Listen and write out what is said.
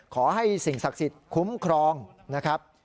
ขอให้สิ่งศักดิ์สิทธิ์คุ้มครองนะครับ